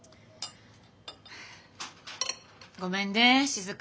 ごめんね静。